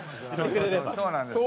そうなんですよ。